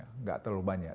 tidak terlalu banyak